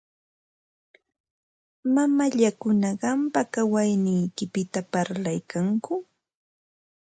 Mamallakuna qampa kawayniykipita parlaykanku.